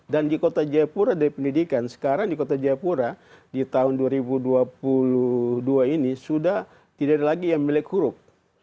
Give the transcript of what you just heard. dan di kota jaipura dari pendidikan sekarang di kota jaipura di tahun dua ribu dua puluh dua ini sudah tidak ada lagi yang melek huruf